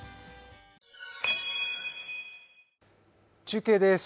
中継です。